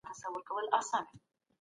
کيدای سي نن هوا سړه سي.